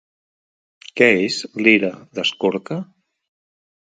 Què és L'Era d'Escorca?